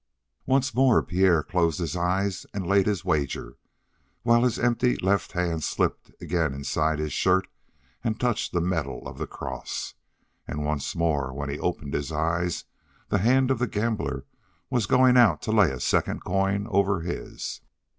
Once more Pierre closed his eyes and laid his wager, while his empty left hand slipped again inside his shirt and touched the metal of the cross, and once more when he opened his eyes the hand of the gambler was going out to lay a second coin over his.